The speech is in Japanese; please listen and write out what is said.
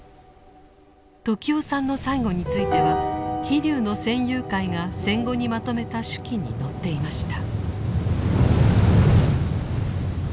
時雄さんの最期については「飛龍」の戦友会が戦後にまとめた手記に載っていました。